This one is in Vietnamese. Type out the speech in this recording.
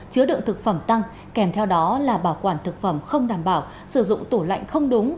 chứa đựng thực phẩm tăng kèm theo đó là bảo quản thực phẩm không đảm bảo sử dụng tủ lạnh không đúng